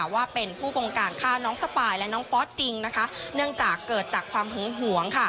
ว่าเป็นผู้ปงการฆ่าน้องสปายและน้องฟอสจริงเนื่องจากเกิดจากความหึงหวง